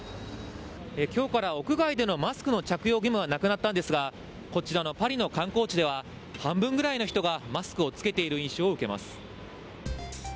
きょうから屋外でのマスクの着用義務はなくなったんですが、こちらのパリの観光地では、半分ぐらいの人がマスクを着けている印象を受けます。